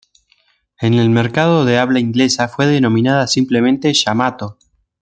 En el mercado de habla inglesa fue denominada simplemente "Yamato".